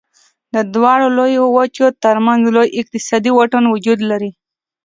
د دواړو لویو وچو تر منځ لوی اقتصادي واټن وجود لري.